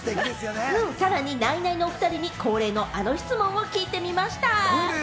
さらにナイナイに恒例のあの質問を聞いてみました。